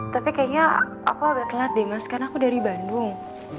tapi kayaknya aku agak telat deh mas karena aku dari bandung